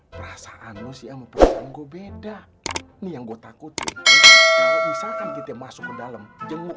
perasaan lu sih sama perasaan gua beda nih yang gua takutin kalau misalkan kita masuk ke dalam jenguk